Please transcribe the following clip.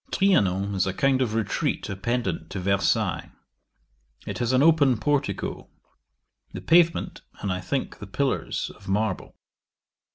'Trianon is a kind of retreat appendant to Versailles. It has an open portico; the pavement, and, I think, the pillars, of marble.